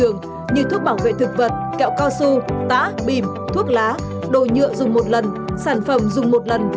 như thuốc bảo vệ thực vật kẹo cao su tá bìm thuốc lá đồ nhựa dùng một lần sản phẩm dùng một lần